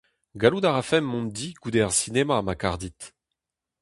Gallout a rafemp mont di goude ar sinema ma kar dit.